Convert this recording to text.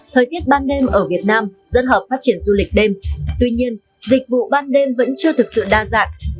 thời tiết ban đêm ở việt nam rất hợp phát triển du lịch đêm tuy nhiên dịch vụ ban đêm vẫn chưa thực sự đa dạng